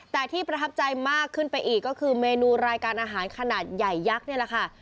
แต่ที่ประทับใจมากขึ้นไปอีกก็คือเมนูรายการอาหารขนาดใหญ่ยักษ์นี่แหละค่ะ